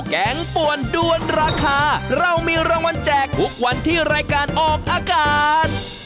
แกงป่วนด้วนราคาเรามีรางวัลแจกทุกวันที่รายการออกอากาศ